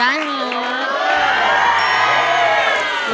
ขอบคุณมากครับ